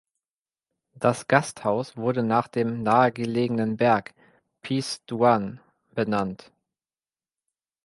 Das Gasthaus wurde nach dem nahe gelegenen Berg Piz Duan benannt.